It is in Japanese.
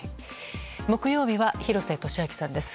木曜日は廣瀬俊朗さんです。